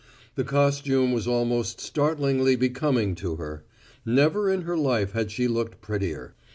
The costume was almost startlingly becoming to her: never in her life had she looked prettier.